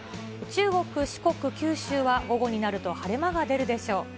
中国、四国、九州は午後になると晴れ間が出るでしょう。